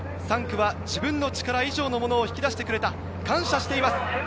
３区は自分の力以上のものを引き出してくれた、感謝しています。